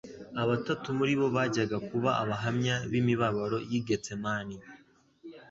Abatatu muri bo bajyaga kuba abahamya b'imibabaro y'i Getsemani,